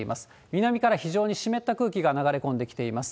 南から非常に湿った空気が流れ込んできています。